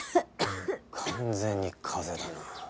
完全に風邪だな。